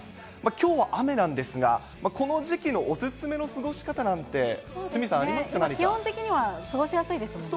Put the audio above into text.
きょうは雨なんですが、この時期のお勧めの過ごし方なんて、鷲見さん、気温的には過ごしやすいですもんね。